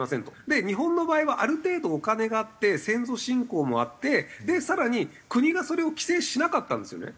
で日本の場合はある程度お金があって先祖信仰もあって更に国がそれを規制しなかったんですよね。